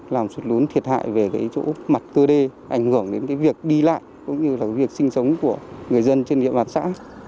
làm sụt lún thiệt hại về cái chỗ mặt cơ đê ảnh hưởng đến việc đi lại cũng như là việc sinh sống của người dân trên địa bàn xã